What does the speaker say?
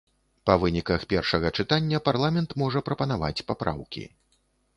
Па выніках першага чытання парламент можа прапанаваць папраўкі.